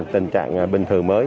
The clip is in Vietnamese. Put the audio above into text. tình trạng bình thường mới